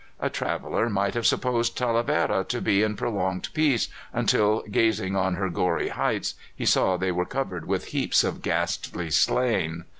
A traveller might have supposed Talavera to be in profound peace until, gazing on her gory heights, he saw they were covered with heaps of ghastly slain.